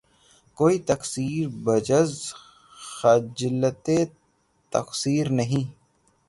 کوئی تقصیر بجُز خجلتِ تقصیر نہیں